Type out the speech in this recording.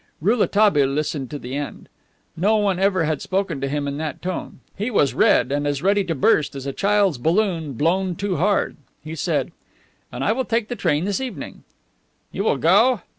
Rouletabille listened to the end. No one ever had spoken to him in that tone. He was red, and as ready to burst as a child's balloon blown too hard. He said: "And I will take the train this evening." "You will go?"